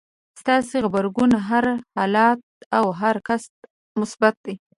ستاسې غبرګون هر حالت او هر کس ته مثبت وي.